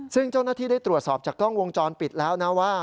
ซึ่งเจ้าหน้าที่ได้ตรวจสอบจากกล้องวงจรปิดแล้วนะว่า